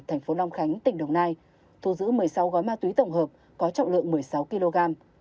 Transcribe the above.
thành phố long khánh tỉnh đồng nai thu giữ một mươi sáu gói ma túy tổng hợp có trọng lượng một mươi sáu kg